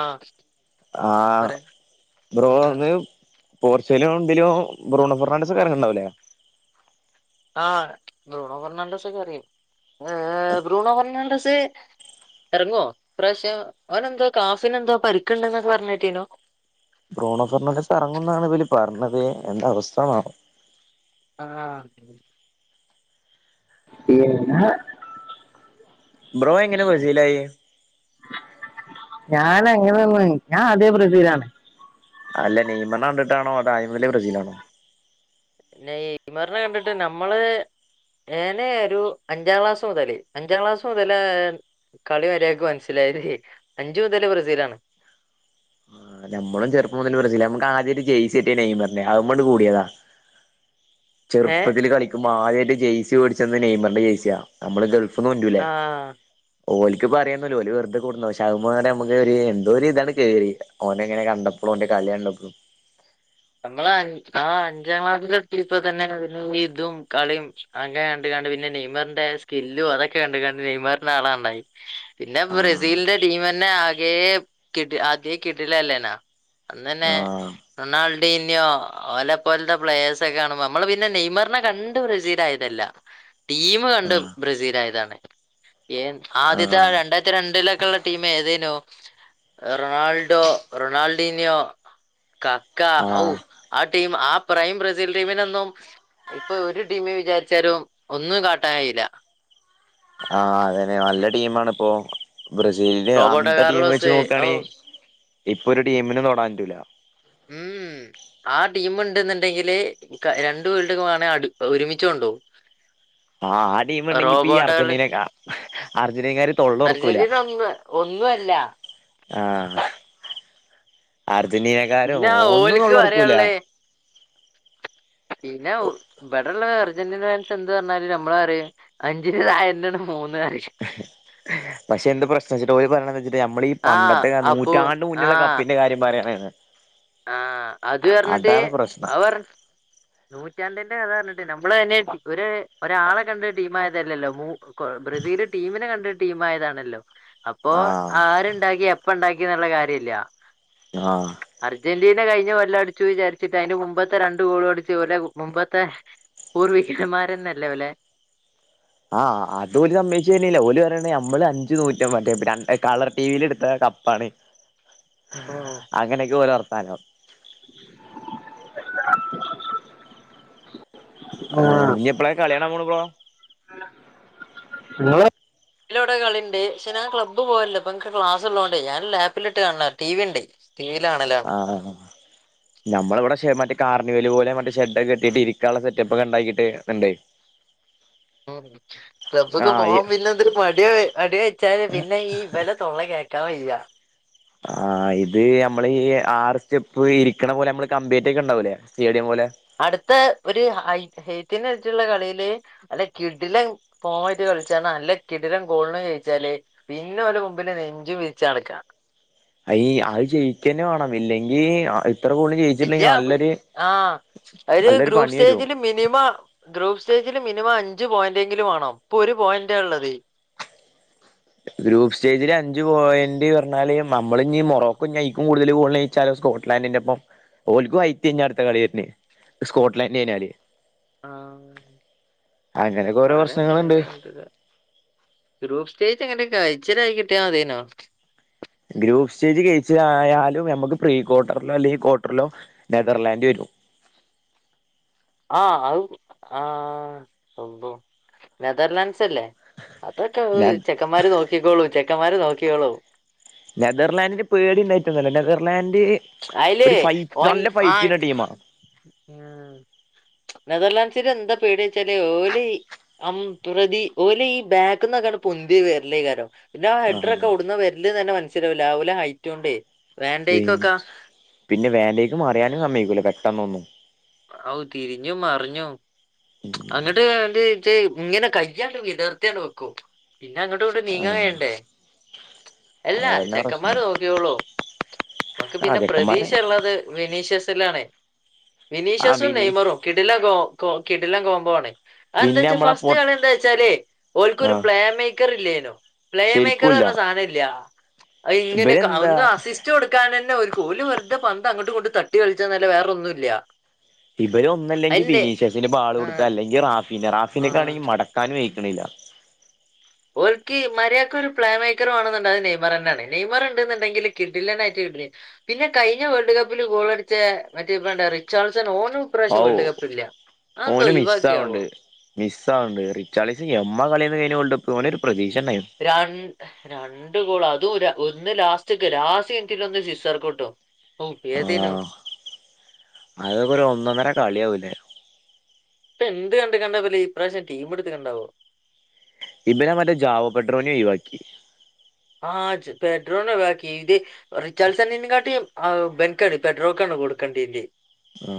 ആ ആ പറയാ ബ്രോ [unintelligible] പോർച്ചുഗലും ഉണ്ടിലോ ഭ്രൂണോ ഫെർണാണ്ടസൊക്കെറങ്ങ്ണ് ണ്ടാവുലേ ആഹ് ഭ്രൂണോഫെർണാണ്ടസ് ഒക്കെറിയും ഏഹ് ഭ്രൂണോഫർണാണ്ടസ് ഇറങ്ങോ പ്രാവശ്യം ഓനെന്തോ കാഫിനെന്തോ പരിക്ക്ണ്ട്ന്നൊക്കെ പറ്ണേട്ടീന്നു ബ്രോണോഫെർണാണ്ടസ് എറങ്ങുന്നാണ് ഇവല് പറഞ്ഞത് എന്താ അവസ്ഥാണാവൊ ആഹ് ഇലേഹ ബ്രോ എങ്ങനെ ബ്രസീലായി ഞാൻ എങ്ങനെന്ന് ഞാ ആദ്യേ ബ്രസീലാണ് അല്ല നെയ്മറിനെ ണ്ടിട്ടാണോ അതോ ആദ്യംതന്നെ ബ്രസീലാണോ നെയ്മറിനെ കണ്ട്ട്ട ഞമ്മള്. ഏനേ ഒരു അഞ്ചാം ക്ലാസ് മുതല്. അഞ്ചാം ക്ലാസ് മുതല്. ഏഹ് കളിവരെക്ക് ഇൻക് മനസ്സിലായത്. അഞ്ച് മുതല് ബ്രസീലാണ് ആഹ് ഞമ്മളും ചെുപ്പംമുതല് ബ്ര സീല. ഞമ്മക്ക് ആദ്യൊരു ജയ്സിട്ടെ നെയ്മറിന്റെ. അത് മണ്ട് കൂടിയതാ ഏ ചെറുപ്പത്തില് കളിക്കും ആദ്യായിട്ട് ജെയ്സി വേടിച്ചന്ന് നെയ്മറിന്റെ ജയ്സിയാ നമ്മള് ഗൾഫ് ആഹ് ഓല്ക്ക്പ അറിയൊന്നുല്ല. ഓല് വെറുതെകൊടുന്നു. പഷെ അയ്മെ ഞമക്ക് ഒരു എന്തോരിതൺ കേറി ഓനങ്ങനെ കണ്ടപ്പൊളും ഓന്റെ കളി കണ്ടപ്പൊളും നമ്മളാ ആഹ് അഞ്ചാം ക്ലാസ്സിലെത്തീപ്പൊതന്നെ അതി ഇതും കളിയും അങ്ങ് കണ്ട് കണ്ട് പിന്നെ നെയ്മറിന്റെ സ്കില്ലും അതൊക്കെ കണ്ട് കണ്ട് നെയ്മറിന്റെ ആളണ്ടായി പിന്നെ ആഹ് ബ്രസീലിന്റെ ടീമെ പിന്നെ ആകേ കിട്ടി ആദ്യേ കിട്ടീലല്ലേനൊ അന്നന്നെ ആഹ് റൊണാൾ പീന്നോ ഓല പോലത്തെ പ്ലയേഴ്സ് ഒക്കെ കാണുമ്പോ നമ്മള് പിന്നെ നെയ്മറിനെ കണ്ട് ബ്രസീലയതല്ല. ടീമ് കണ്ട് ആഹ് ബ്രസീലായതാണ്. ഏയ് ആദ്യത്തെ ആ ആഹ് രണ്ടായിരത്തി രണ്ടിലൊക്കൊള്ള ടീം ഏതേനു. റൊണാൾഡോ, റൊണാൾഡീനിയോ, കക്ക ഔ ആഹ് അട് ടീം ആ പ്രയും ബ്രസീൽ ടീമിനൊന്നും. ഇപ്പൊ ഒരു ടീമ് വിചാരിച്ചാലും ഒന്നും കാട്ടായ്യൂല ആഹ് അതന്നെ നല്ല ടീമിണ്പ്പോ ബ്രസീലില് റോബോട്ടോ അന്ത ടീമ് വെച്ച് കാർലോസ് ഔ നോക്കാണെ ഇ ഇപ്പൊരുടീമിനും തൊടൻറ്റൂല ഉം ആ ടീമ് ഇണ്ടെന്ന്ണ്ടെങ്കില്. ക രണ്ട് വേൾഡ്കെ വേണേ അട് ഒരുമിച്ചൊണ്ടോവും ആഹ് ആ ടീമ് ഇണ്ടെങ്കിപ്പീ അർജന്റീന. ആഹ് അർജന്റീനക്കാര് തൊള്ളറക്കൂല അർജന്റീന ഒന്ന് ഒന്നും അല്ല ആഹ് ആര് പിന്നെ ആഹ് ഓല്ക്ക് പറയാള്ളേ പിന്ന വ് അള്ള അർജന്റീന ഫൻസ് എന്ത് പറഞ്ഞാലും നമ്മള് പറിം അഞ്ചിന്റെ തായെന്നാണ് മൂന്ന് അറീം പഷെ എന്ത് പ്രശ്നംച്ച്ട്ട ഓര് പറീണ എന്താച് നമ്മളീ ഈ ആ പണ്ടത്തെ ഏ അപ്പോ നൂറ്റാണ്ട് മുന്നില്ള്ള കപ്പിന്റെ കാര്യം പറയാണ്ന്ന് ആഹ് അത് പറഞ്ഞിട്ട് പ്രശ്നം അവർ നൂറ്റാണ്ടി പറഞ്ഞിട്ട് നമ്മള് ന്ന് ഒര് ഒരാളെ കണ്ട് ടീമായതല്ലല്ലോ മൂ ബ്രസീല് ടീമിനെ കണ്ട് ടീമായതാണല്ലോ അപ്പോ ആഹ് ആരുണ്ടാക്കി എപ്പണ്ടാക്കി ഇതിനുള്ള കാര്യം ഇല്ല ആഹ് അർജന്റീന കഴിഞ്ഞ കൊല്ലം അടിച്ചു വിചാരിച്ചിട്ട് അതിന്റെ മുമ്പത്തെ രണ്ട് ഗോളും അടിച്ചു ഇവരുടെ മുമ്പത്തെ പൂർവിക്കന്മാരന്നല്ലപോലെ ആഹ് അതൂല്ല മെഷീനില ഓല് പറയണ നമ്മള് അഞ്ചു നൂറ്റ മറ്റ ര കളർ ടിവിൽ എടുത്ത കപ്പാണ് അങ്ങനെയൊക്കെ ഓരോ അർ തകം ആ ഇനി എപ്പളാ കളി കാണാൻ പോണ് ബ്രോ ആ ഇല്ല ഏട്ടാ [unintelligible] കളിണ്ട് ക്ഷെ ഞാൻ ക്ലബ്ബ് പോയല്ലപ്പം എനിക്ക് ക്ലാസുള്ളതോണ്ടെ ഞാൻ ലാപ്പിലിട്ട് കാണണ ടി വി ഉണ്ടെ. ആഹ് നമ്മളിവിടെ [unintelligible] കാർണിവൽ പോലെ മറ്റെ ഷെഡൊക്കെ കെട്ടീട്ട് ഇരിക്കാനുള്ള സെറ്റപ്പൊക്കെ ഉണ്ടാക്കിയിട്ട് ഉണ്ടെ. ക്ലബൊക്കെ ആഹ് പോവാൻ പിന്നെ എന്തര് മടി അടി വച്ചാലും പിന്നെ ഈ ഇവള തൊള്ള കേ ക്കാൻ വയ്യ ആ ഇത് ഞമ്മള് ഈ ആറ് സ്റ്റെപ്പ് ഇരിക്കണ പോലെ നമ്മള് കമ്പികെട്ടിയിട്ടുണ്ടാവൂലെ സ്റ്റേഡിയം പോലെ അടുത്ത ഒരു ഹൈ ഹെയ്ത്തിന് ച്ചുള്ള കളിയില് നല്ല കിടിലം പോയിന്റ് കളിച്ചാണ് നല്ല കിടിലം ഗോളിന് ജയിച്ചാലെ പിന്നെ ഓരുടെ മുമ്പില് നെഞ്ചും വിരിച്ച് നടക്കാം അയീ അത് ജയിക്ക തന്നെ വേണം ഇല്ലെങ്കി ഇത്ര ഗോളിന് ജയിച്ചിട്ടുണ്ടെങ്കി ഇല്യാ നല്ലൊരു ആ ഒരു നല്ലൊരു ഗ്രൂപ്പ് പണി വരും സ്റ്റേജില് മിനിമം ഗ്രൂപ്പ് സ്റ്റേജില് മിനിമം അ അഞ്ചു പോയിന്റെങ്കിലും വേണം ഇപ്പൊ ഒരു പോയിന്റാ ഉള്ളത് ഗ്രൂപ്പ് സ്റ്റേജില് അഞ്ചു പോയിന്റ് പറഞ്ഞാല് നമ്മളിനി മോറോക്കും നെയ്ക്കും കൂടുതല് [unintelligible] സ്കോഡ്ലാണ്ടിന്റൊപ്പം ഓൽക്കും [unintelligible] അടുത്ത കളി തന്നെ സ്കോഡ്ലാണ്ട് ഞ്ഞാല് ആ അങ്ങനെയൊക്കെ ഓരോ പറ പ്രശ്നങ്ങളുണ്ട് [unintelligible] ഗ്രൂപ്പ് സ്റ്റേജ് എങ്ങൻണ്ട് [unintelligible] കൈയിൽ കിട്ടിയാ മതി നോൺ ഗ്രൂപ്പ് സ്റ്റേജ് [unintelligible] ആയാലും നമ്മുക്ക് പ്രീക്വാർട്ടറിലോ അല്ലെങ്കി ക്വാർട്ടറിലോ നെതർലാൻഡ് വരും ആഹ് അത് ആ അള്ളൊ നെതർലാൻസ് സല്ലെ അപ്പൊ ചെക്കന്മാര് നോക്കിക്കോളും ചെ മക്കന്മാര് നോക്കിയോള്ളും നെതർലാൻഡിന് പേടി ഉണ്ടായിട്ടൊന്നുമല്ല നെതർലാൻഡ് അയിലെ ഒരു ഫൈറ്റ് ഓൻ നല്ല ആ ഫൈറ്റ് ചെയ്യുന്ന ടീമാ നെതർലാൻഡ്സിന് എന്തൊ പേടി വെച്ചാലേ ഓല് പ്രതി ഓല് ഈ ബാക്കിന്നൊക്കെയങ്ങട് പൊന്തി വരല് [unintelligible] പിന്നാ ആ ഹെഡറൊക്കെ ഓടുന്ന് വരല്ല് തന്നെ മ ത്തിരി ലാവല ഹൈറ്റും ഉണ്ടേ പി വേണ്ടെക്കാക്ക പിന്നെ വേണ്ടേക്കും അറിയാനും സമ്മയിക്കൂല പെട്ടെന്നൊന്നും ഔ തിരിഞ്ഞു മറിഞ്ഞു അങ്ങിട്ട് എന്റെ തെ ഇങ്ങനെ കയ്യാണ്ട് വി ട ർത്തിയങ്ങ്‌ വെക്കും പിന്നെ അങ്ങോട്ട് ഇട്ട ആ നീങ്ങലായൊണ്ടേ അല്ലാ അതന്നെ ചെക്കന്മാര് പ്രശ്നം നോക്കിക്കോളും നമ്മുക്ക് ആ പിന്നെ ചെക്കന്മാരെ പ്രതീക്ഷ ഉള്ളത് വെനീഷ്യസ് തിലാണേ ആ വിനിഷസും വിനീഷ് നെയ്‌മറും കിടിലം ഗോ - കിടിലം കോമ്പോ ആണേ എന്താ പിന്നെ വെച്ചാ നമ്മള പൊ ഫസ്റ്റ് കളി എന്താ വച്ചാലേ ആ ഓൾക്ക് പ്ലേ മേക്കർ ഇല്ലേനോ പ്ലേ മേക്കർ ശരിക്കൂല്ല പറഞ്ഞ സാധനം ഇല്ല അഇങ്ങനെ ഇവരെന്താ ഒന്ന് അസിസ്റ്റ് കൊടുക്കാൻ പിന്നെ ഒരു കോല് വെറുതെ പന്ത് അങ്ങോട്ട് ഇങ്ങോട്ടും തട്ടി കളിച്ചാന്നല്ലെ വേറൊന്നും ഇല്ല ഇവര് ഒന്നല്ലെങ്കിൽ ബിനീശസന് പാള് ആ, കൊടുക്കുക അല്ലെങ്കില് റാ പിന്നെ ആ. റാഫിനക്കൊയാണെങ്കിൽ മടക്കാനു ആയി [inaudible] ഓൽക്കി മര്യാക് ഒരു പ്ലേ മേക്കർ ആണെന്നുണ്ട അത് നെയ്മർന്നാണ് നെയ്മർ ഉണ്ട എന്നുണ്ടെങ്കിൽ കിഡില്ലായിയിട്ട് കിട്ടില്ല പിന്നെ കഴിഞ്ഞ വേൾഡ് കപ്പിൽ ഗോൾടിച്ച മറ്റേ റിച്ചാർഡ്സൺ ഓൻ ഔ ഓന് മിസ് ഒഴിവാക്കിയാവോ ആവണ്ട് മിസ് ആണ്ട് റിച്ചാളിസി എമ്മ കളിയന്ന് കഴിഞ്ഞ കൊണ്ട് തോനൊരുപ്രതീക്ഷ രണ്ട് ഗോളാ അ ഒന്ന് ലാസ്റ്റ് ലാസ്റ്റ് എറ്റില ഒന്ന് സിസ്സർക്ക് കട്ടും ആ അതക്ക ഒന്നന്നര കളിയ ആവൂലേ ഇപ്പൊ എന്ത് കണ്ട കണ്ടല ഇപ്രാവശ്യം ടീം എടുത്ത് കണ്ടാവോ ഇബ് നാ മറ്റ ജാവ പെട്രോനിയ ഒഴിവാക്കി ആഹ് ജ് പെട്രോനഒഴിവാക്കി ഇത് റിചാൽസ് സെന്നിനെക്കാട്ടി ആ ബനക്കാണ് പെട്രോ കണ് കൊടുക്കണ്ടി ണ്ടി ആ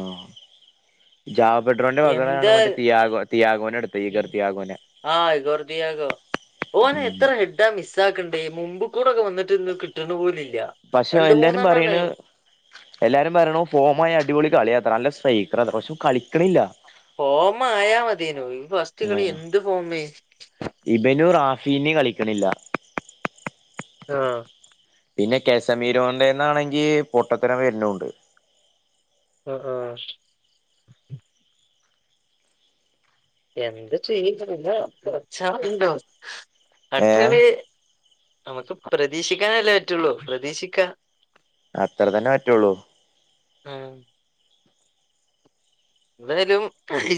ജാവപെട്രോന്റെ മകനാണ് എന്താ മറ്റേ തിയാഗോ തിയാഗോന എടുത്ത ഭീഗർ ഉം. തിയാഗോനെ ആ ഗോർദിയാഗോ ഉ ബുക്കൂടൊക്കെ വന്നിട്ട്ന്ന് കിട്ടണ പോലെ പക്ഷെ എല്ലാരും പറയണ് എല്ലാരും പറയണു പോമായി അടിപൊളി കളിയാണത്രെ നല്ല സക്ര അത്ര പശ്യ കളിക്കണില്ല പോമആയാ മതിയായിരുന്നു ഈ ഫസ്റ്റ് കളി ആഹ് എന്ത് ഫോമ് ഫിനി കളിക്കണില്ല ആ പിന്നെ കസമീരോണ്ടന്നാണെങ്കി പൊട്ടത്തരം വരുന്നുണ്ട് ആ ആ എന്ത് ചെയ്യതില്ലച്ച [unintelligible] ഏഹ് അടുത്തവി നമുക്ക് പ്രതീക്ഷിക്കാനല്ലേ പറ്റുള്ളൂ പ്രതീക്ഷിക്ക അത്ര തന്നെ പറ്റുള്ളു ഉം എന്തായാലും [unintelligible]